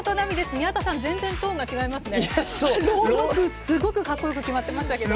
宮田さん、全然トーンが違いますね。